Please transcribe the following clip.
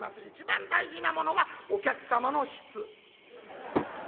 一番大事なものはお客様の質。